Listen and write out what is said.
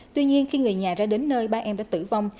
tuy nhiên khi người nhà ra đến nơi ba em đã tử vong